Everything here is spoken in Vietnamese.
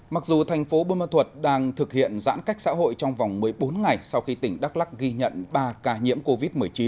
mặc dù thành phố bôn ma thuật đang thực hiện giãn cách xã hội trong vòng một mươi bốn ngày sau khi tỉnh đắk lắc ghi nhận ba ca nhiễm covid một mươi chín